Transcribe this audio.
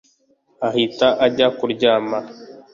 ahita ajya kuryama